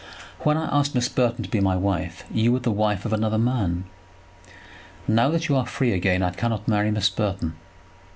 When I asked Miss Burton to be my wife you were the wife of another man. Now that you are free again I cannot marry Miss Burton."